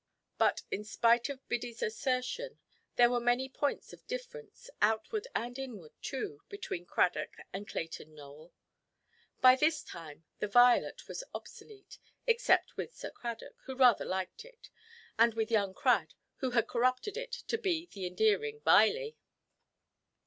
But, in spite of Biddyʼs assertion, there were many points of difference, outward and inward too, between Cradock and Clayton Nowell. By this time the "Violet" was obsolete, except with Sir Cradock, who rather liked it, and with young Crad, who had corrupted it into the endearing "Viley".